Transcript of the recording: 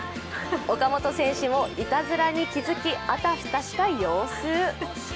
岡本選手もいたずらに気づき、あたふたした様子。